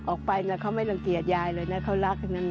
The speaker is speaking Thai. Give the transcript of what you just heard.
ออกไปเขาไม่รังเกียจยายเลยนะเขารักทั้งนั้น